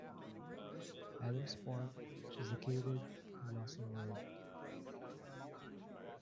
Adams Park is located on Lawson road.